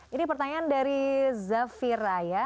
ini pertanyaan dari zafir raya